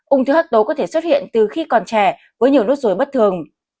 ung thư hắc tố có thể xuất hiện từ khi còn trẻ với nhiều nốt ruồi bất thường